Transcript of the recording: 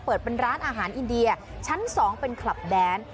เปิดเป็นร้านอาหารอินเดียชั้น๒เป็นคลับแดน